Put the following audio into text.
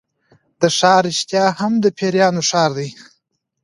دا ښار رښتیا هم د پیریانو ښار دی.